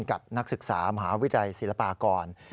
นักศึกษามหาวิทยาลัยศิลปากร